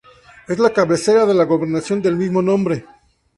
Es la cabecera de la gobernación del mismo nombre.